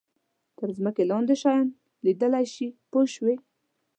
تر ځمکې لاندې شیان لیدلای شي پوه شوې!.